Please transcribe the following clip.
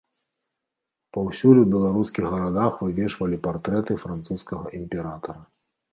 Паўсюль у беларускіх гарадах вывешвалі партрэты французскага імператара.